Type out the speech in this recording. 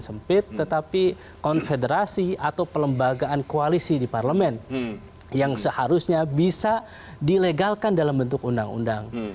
sempit tetapi konfederasi atau pelembagaan koalisi di parlemen yang seharusnya bisa dilegalkan dalam bentuk undang undang